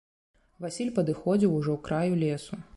Васіль падыходзіў ужо к краю лесу.